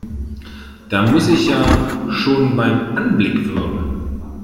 Da muss ich ja schon beim Anblick würgen!